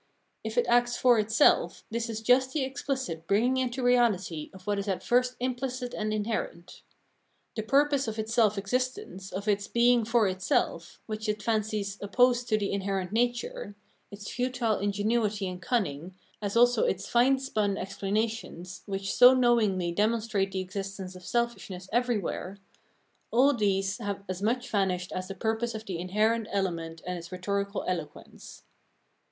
If it acts for itself, this is just the explicit bringing into reality of what is at first imphcit and inherent. The purpose of its self existence, of its " being for itself," which it fancies opposed to the in herent nature — its futile ingenuity and cunning, as also its fine spun explanations which so knowingly demon strate the existence of selfishness everywhere — all these 380 Phenomenology of Mind have as much vanished as the purpose of the inherent element and its rhetorical eloquence.